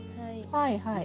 はいはい。